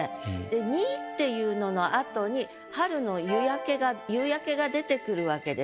で「に」っていうののあとに春の夕焼けが出てくるわけです。